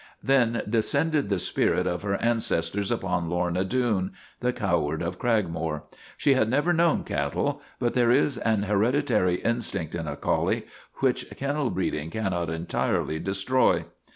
Then descended the spirit of her ancestors upon Lorna Doone, the coward of Cragmore. She had never known cattle, but there is an hereditary instinct in a collie which kennel breeding cannot entirely destroy.